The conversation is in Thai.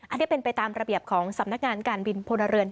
อันนี้เป็นไปตามระเบียบของสำนักงานการบินพลเรือน